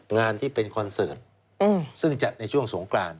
งานที่เป็นคอนเสิร์ตซึ่งจัดในช่วงสงกราน